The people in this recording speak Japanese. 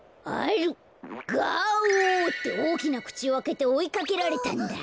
「ガオ！」っておおきなくちをあけておいかけられたんだ。